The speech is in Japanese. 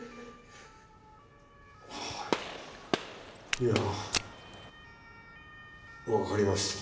はぁいやわかりました。